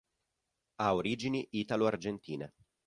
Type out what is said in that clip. Ha origini italo-argentine.